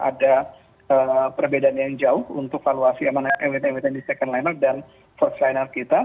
ada perbedaan yang jauh untuk valuasi emiten emiten di second liner dan first liner kita